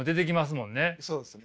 そうですね。